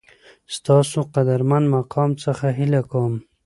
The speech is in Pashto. ستاسو قدرمن مقام څخه هیله کوم